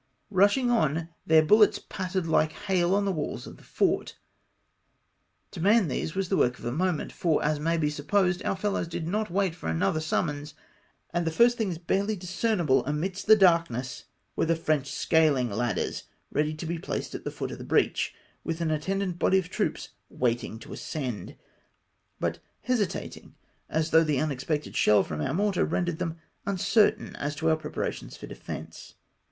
Eushing on, their bullets pattered like hail on the walls of the fort. To man these was the work of a moment ; for, as may be supposed, our fellows did not Avait for another summons, and the first things barely discernible amidst the darkness were the French scahng X 3 310 THE FRENCH ATTACK. ladders ready to be placed at tlie foot of the breacli, with an attendant body of troops waiting to ascend, bnt hesitating, as though the unexpected shell from our mortar rendered them uncertain as to our preparations for defence.